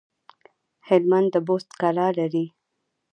هلمند د بست کلا لري